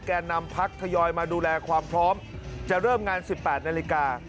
แก่นำพักทยอยมาดูแลความพร้อมจะเริ่มงาน๑๘นาฬิกา